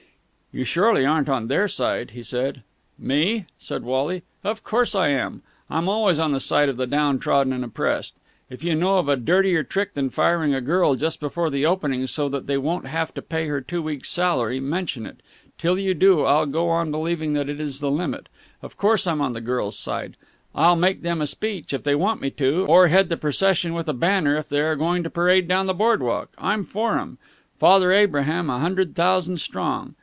"You surely aren't on their side?" he said. "Me!" said Wally. "Of course I am. I'm always on the side of the down trodden and oppressed. If you know of a dirtier trick than firing a girl just before the opening, so that they won't have to pay her two weeks' salary, mention it. Till you do, I'll go on believing that it is the limit. Of course I'm on the girls' side. I'll make them a speech if they want me to, or head the procession with a banner if they are going to parade down the boardwalk. I'm for 'em, Father Abraham, a hundred thousand strong.